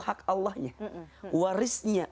hak allahnya warisnya